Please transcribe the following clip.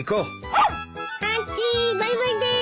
ハチバイバイです。